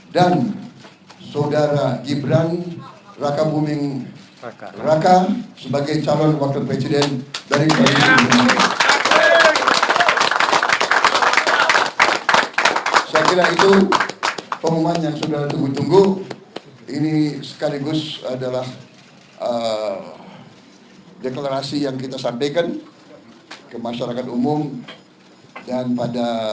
dan saudara gibran raka buming raka sebagai calon wakil presiden dari indonesia maju